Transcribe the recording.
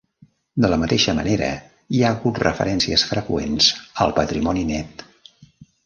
De la mateixa manera, hi ha hagut referències freqüents al patrimoni net.